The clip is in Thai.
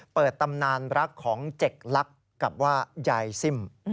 เปิดตำนานรักของเจ็กรักกับว่ายายซิม